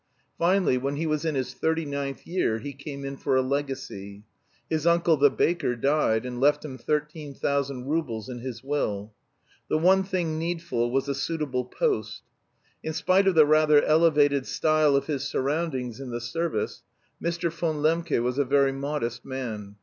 Finally, when he was in his thirty ninth year, he came in for a legacy. His uncle the baker died, and left him thirteen thousand roubles in his will. The one thing needful was a suitable post. In spite of the rather elevated style of his surroundings in the service, Mr. von Lembke was a very modest man.